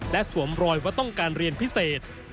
และสวมรอยว่าต้องการเรียนพิเศษ